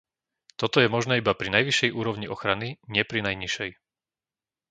Toto je možné iba pri najvyššej úrovni ochrany, nie pri najnižšej.